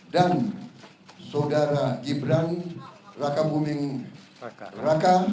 dan saudara gibran raka buming raka